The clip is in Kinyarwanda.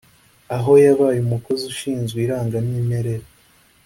aho yabaye umukozi ushinzwe irangamimerere